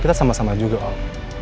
kita sama sama juga oh